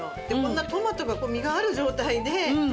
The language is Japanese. トマトが実がある状態で美味しいの。